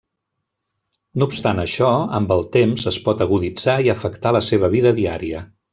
No obstant això, amb el temps, es pot aguditzar i afectar la seva vida diària.